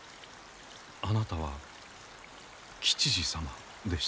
あなたは吉次様でしたね。